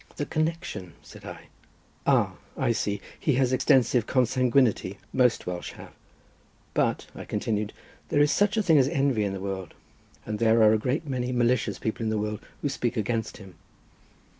"The connection," said I. "Ah I see, he has extensive consanguinity, most Welsh have. But," I continued, "there is such a thing as envy in the world, and there are a great many malicious people in the world, who speak against him."